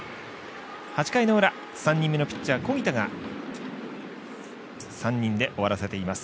８回の裏３人目のピッチャー、小木田が３人で終わらせています。